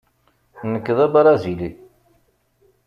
Nekk d abṛazili.